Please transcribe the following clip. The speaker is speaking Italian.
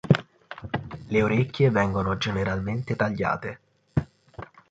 Le orecchie vengono generalmente tagliate.